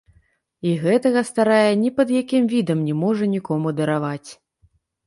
І гэтага старая ні пад якім відам не можа нікому дараваць.